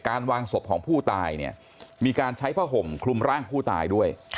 วางศพของผู้ตายเนี่ยมีการใช้ผ้าห่มคลุมร่างผู้ตายด้วย